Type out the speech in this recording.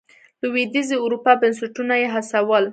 لوېدیځې اروپا بنسټونه یې هڅول.